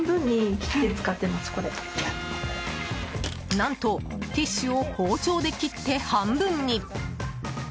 何とティッシュを包丁で切って半分に。